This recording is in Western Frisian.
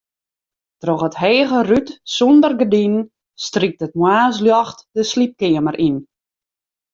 Troch it hege rút sûnder gerdinen strykt it moarnsljocht de sliepkeamer yn.